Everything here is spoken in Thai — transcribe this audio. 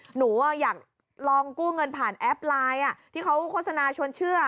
หนูอยากลองกู้เงินผ่านแอปไลน์ที่เขาโฆษณาชวนเชื่อ